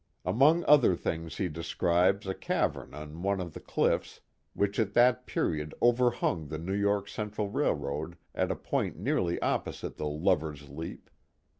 Among other things he describes a cavern on one of the cliffs which at that period overhung the New York Central Railroad at a point nearly opposite the Lover's Leap."